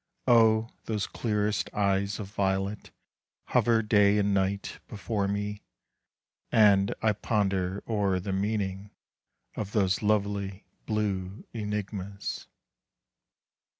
Oh, those clearest eyes of violet Hover day and night before me, And I ponder o'er the meaning Of those lovely blue enigmas.